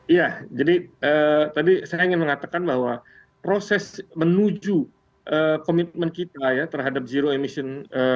iya jadi tadi saya ingin mengatakan bahwa proses menuju komitmen kita ya terhadap zero emission